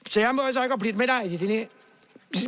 สยามโบไซก็ผลิตไม่ได้จริงที่นี่